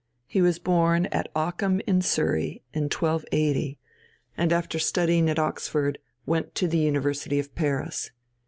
He was born at Ockham in Surrey in 1280, and, after studying at Oxford, went to the University of Paris.